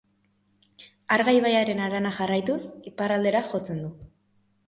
Arga ibaiaren harana jarraituz, iparraldera jotzen du.